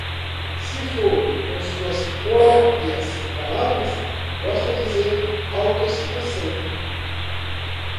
Se for com suas próprias palavras, basta dizer “Autocitação”.